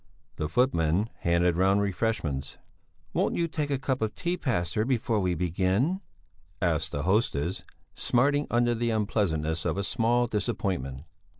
The footman handed round refreshments. "Won't you take a cup of tea, pastor, before we begin?" asked the hostess, smarting under the unpleasantness of a small disappointment.